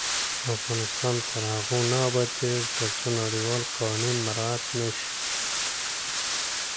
افغانستان تر هغو نه ابادیږي، ترڅو نړیوال قوانین مراعت نشي.